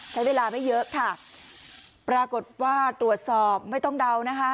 ใช้เวลาไม่เยอะค่ะปรากฏว่าตรวจสอบไม่ต้องเดานะคะ